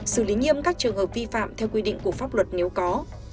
xử lý nghiêm các trường hợp vi phạm theo quy định của pháp luật nếu có